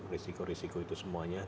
risiko risiko itu semuanya